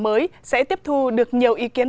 mới sẽ tiếp thu được nhiều ý kiến